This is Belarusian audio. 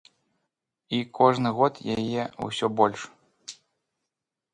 І кожны год яе ўсё больш.